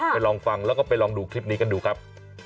ลองฟังแล้วก็ไปลองดูคลิปนี้กันดูครับ